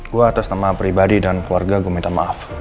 gue atas nama pribadi dan keluarga gue minta maaf